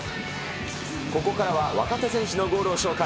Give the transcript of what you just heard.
ここからは若手選手のゴールを紹介。